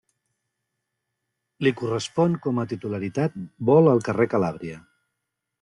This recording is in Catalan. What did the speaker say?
Li correspon com a titularitat, vol al carrer Calàbria.